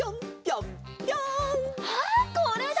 あっこれだ！